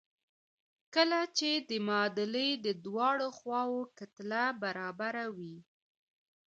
کله چې د معادلې د دواړو خواوو کتله برابره وي.